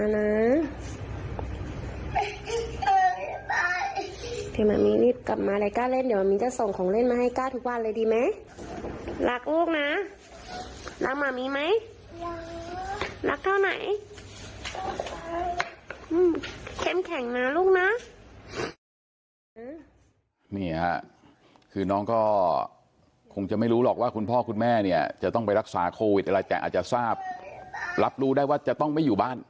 นี่ค่ะคือน้องก็คงจะไม่รู้หรอกว่าคุณพ่อคุณแม่เนี่ยจะต้องไปรักษาโควิดอะไรแต่อาจจะทราบรับรู้ได้ว่าจะต้องไม่อยู่บ้าน